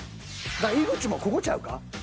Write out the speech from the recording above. だから井口もここちゃうか？